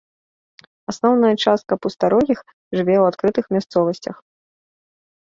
Асноўная частка пустарогіх жыве ў адкрытых мясцовасцях.